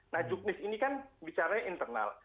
nah juknis ini kan bicara internal